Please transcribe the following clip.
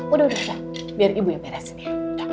eh udah udah biar ibu ya piresin ya